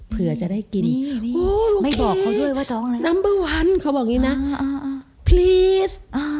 เผื่อจะได้กินไม่บอกเขาด้วยว่าท้องอะไรนัมเบอร์วันเขาบอกอย่างนี้นะพลีส